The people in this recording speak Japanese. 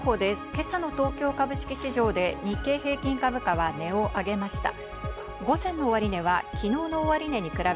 今朝の東京株式市場で日経平均株価は値を上げました。